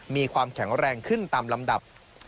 มีความแข็งแรงขึ้นตามลำดับ